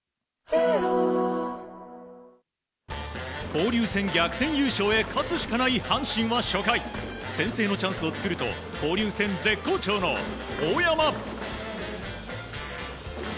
交流戦、逆転優勝へ勝つしかない阪神は初回、先制のチャンスを作ると交流戦絶好調の大山。